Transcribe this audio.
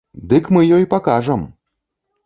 Дык мы ёй пакажам!